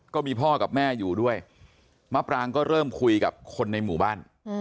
ก็มีพ่อกับแม่อยู่ด้วยมะปรางก็เริ่มคุยกับคนในหมู่บ้าน